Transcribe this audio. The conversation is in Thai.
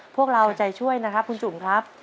พวกเราใจช่วยนะครับคุณจุ๋มครับ